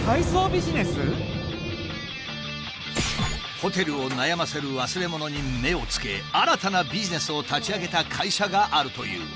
ホテルを悩ませる忘れ物に目をつけ新たなビジネスを立ち上げた会社があるという。